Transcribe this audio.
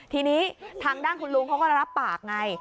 ทีนี้ทางด้านคุณลุงเขาก็รับปากไง